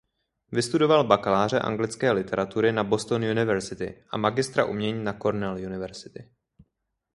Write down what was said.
Vystudoval bakaláře anglické literatury na Boston University a magistra umění na Cornell University.